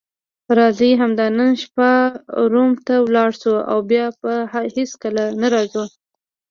راځئ همدا نن شپه روم ته ولاړ شو او بیا به هیڅکله نه راځو.